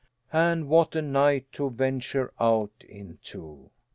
And what a night to venture out into!